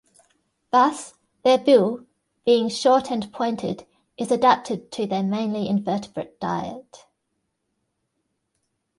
Thus, their bill, being short and pointed, is adapted to their mainly invertebrate diet.